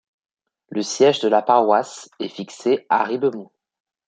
Le siège de la paroisse est fixé à Ribemont.